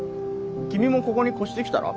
君もここに越してきたら？